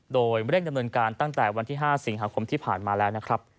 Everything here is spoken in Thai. โดยเร่งดำเนินการตั้งแต่วันที่๕สิงหาคมที่ผ่านมาแล้วนะครับ